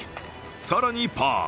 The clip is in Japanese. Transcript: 更に、パー。